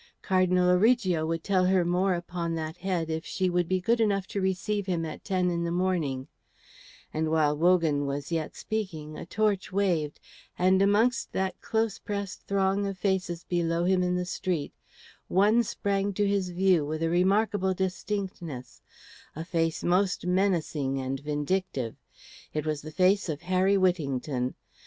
Cardinal Origo would tell her more upon that head if she would be good enough to receive him at ten in the morning; and while Wogan was yet speaking, a torch waved, and amongst that close pressed throng of faces below him in the street, one sprang to his view with a remarkable distinctness, a face most menacing and vindictive. It was the face of Harry Whittington.